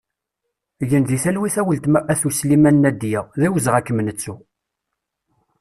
Gen di talwit a weltma At Usliman Nadya, d awezɣi ad kem-nettu!